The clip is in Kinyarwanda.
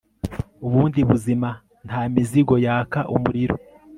ubundi buzima, nta mizigo yaka umuriro